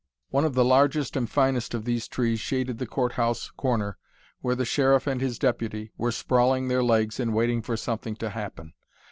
One of the largest and finest of these trees shaded the court house corner where the Sheriff and his deputy were sprawling their legs and waiting for something to happen.